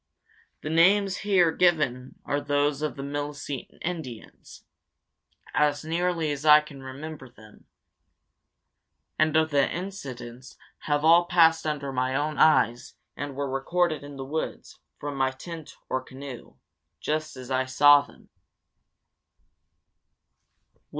The names here given are those of the Milicete Indians, as nearly as I can remember them; and the incidents have all passed under my own eyes and were recorded in the woods, from my tent or canoe, just as I saw them.